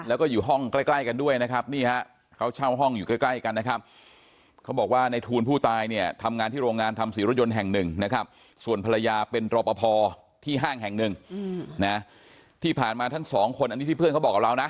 แล้วก็อยู่ห้องใกล้กันด้วยนะครับนี่ฮะเขาเช่าห้องอยู่ใกล้ใกล้กันนะครับเขาบอกว่าในทูลผู้ตายเนี่ยทำงานที่โรงงานทำสีรถยนต์แห่งหนึ่งนะครับส่วนภรรยาเป็นรอปภที่ห้างแห่งหนึ่งนะที่ผ่านมาทั้งสองคนอันนี้ที่เพื่อนเขาบอกกับเรานะ